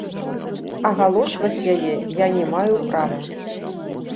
Агалошваць яе я не маю права.